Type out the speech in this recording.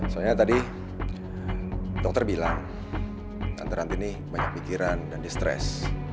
soalnya tadi dokter bilang antara anti ini banyak pikiran dan di stres